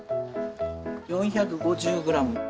４５０グラム。